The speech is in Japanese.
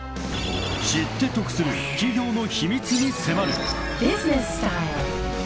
［知って得する企業の秘密に迫る］